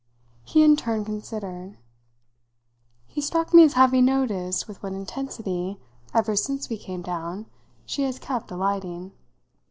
He in turn considered. "He struck me as having noticed with what intensity, ever since we came down, she has kept alighting.